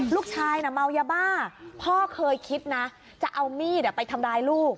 ลูกชายน่ะเมายาบ้าพ่อเคยคิดนะจะเอามีดไปทำร้ายลูก